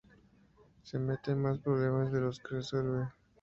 Se mete en más problemas de los que resuelve.